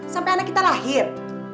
sampai anak kita lahir